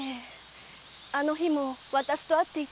あの日も私と会っていたんです。